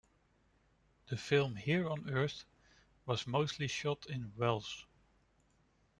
The film "Here on Earth" was mostly shot in Welch.